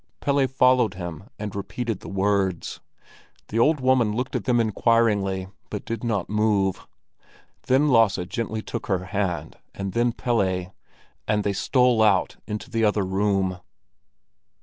Pelle followed him and repeated the words. The old woman looked at them inquiringly, but did not move. Then Lasse gently took her hand, and then Pelle, and they stole out into the other room.